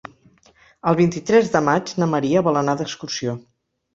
El vint-i-tres de maig na Maria vol anar d'excursió.